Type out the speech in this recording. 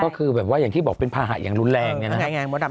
ก็คือแบบว่าอย่างที่บอกเป็นภาหะอย่างรุนแรงเนี่ยนะครับ